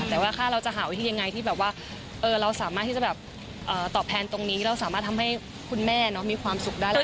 แต่ว่าถ้าเราจะหาวิธียังไงที่แบบว่าเราสามารถที่จะแบบตอบแทนตรงนี้เราสามารถทำให้คุณแม่มีความสุขได้เลย